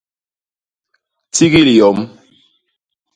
Tigil yom.